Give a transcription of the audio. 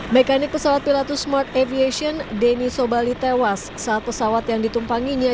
mekanik pesawat pilatus smart aviation deni sobali tewas saat pesawat yang ditumpanginya